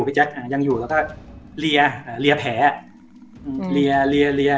พี่แจ็คอ่ายังอยู่แล้วก็เรียอ่าเรียแผลอืมเรียเรียเรีย